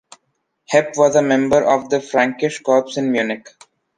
Hepp was a member of the Frankish Corps in Munich.